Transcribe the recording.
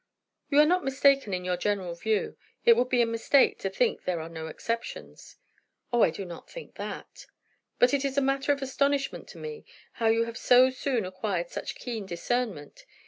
"You are not mistaken in your general view. It would be a mistake to think there are no exceptions." "O, I do not think that." "But it is matter of astonishment to me, how you have so soon acquired such keen discernment.